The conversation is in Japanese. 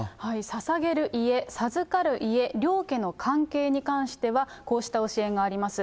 ささげる家、授かる家、両家の関係に関しては、こうした教えがあります。